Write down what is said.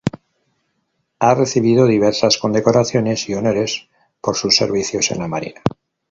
Ha recibido diversas condecoraciones y honores por sus servicios en la Marina.